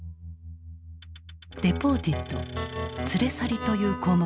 「デポーティッド」「連れ去り」という項目がある。